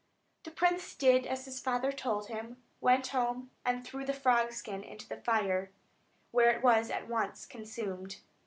The prince did as his father told him, went home, and threw the frog skin into the fire, where it was at once consumed.